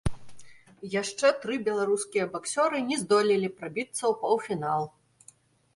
Яшчэ тры беларускія баксёры не здолелі прабіцца ў паўфінал.